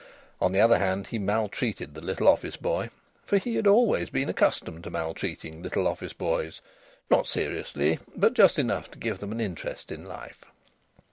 On the other hand, he maltreated the little office boy, for he had always been accustomed to maltreating little office boys, not seriously, but just enough to give them an interest in life.